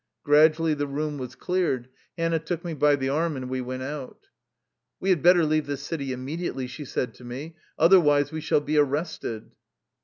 Gradually the room was cleared. Hannah took me by the arm, and we went out. " We had better leave this city immediately/' she said to me, " otherwise we shall be arrested."